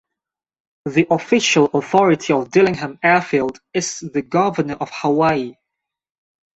The official authority of Dillingham Airfield is the Governor of Hawaii.